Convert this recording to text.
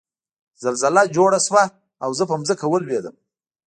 زلزله جوړه شوه او زه په ځمکه ولوېدم